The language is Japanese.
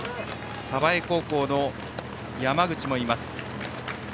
鯖江高校の山口もいます。